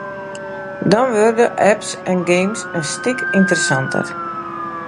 Dan wurde apps en games in stik ynteressanter.